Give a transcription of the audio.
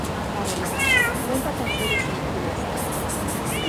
Además, cuenta con sedes en Mestre.